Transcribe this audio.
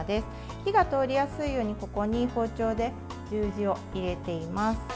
火が通りやすいようにここに包丁で十字を入れています。